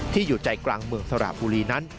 อยู่ใจกลางเมืองสระบุรีนั้น